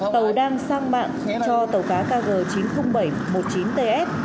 tàu đang sang mạng cho tàu cá kg chín mươi nghìn bảy trăm một mươi chín ts